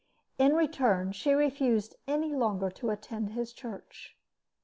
In return she refused any longer to attend his church.